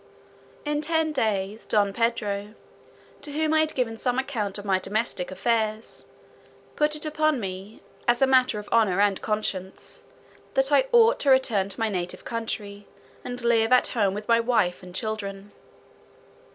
In ten days, Don Pedro, to whom I had given some account of my domestic affairs, put it upon me, as a matter of honour and conscience, "that I ought to return to my native country, and live at home with my wife and children."